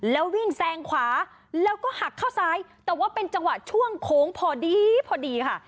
แล้ววิ่งแซงขวาแล้วก็หักเข้าซ้ายแต่ว่าเป็นจังหวะช่วงโค้งพอดีพอดีค่ะ